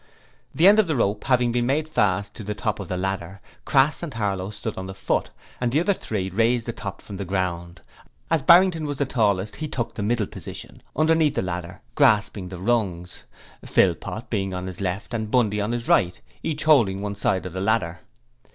The end of the rope having been made fast to the top of the ladder, Crass and Harlow stood on the foot and the other three raised the top from the ground; as Barrington was the tallest, he took the middle position underneath the ladder grasping the rungs, Philpot being on his left and Bundy on his right, each holding one side of the ladder.